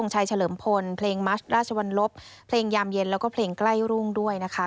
ชัยเฉลิมพลเพลงมัสราชวรรลบเพลงยามเย็นแล้วก็เพลงใกล้รุ่งด้วยนะคะ